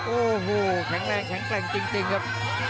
โอ้โหแข็งแรงแข็งแกร่งจริงครับ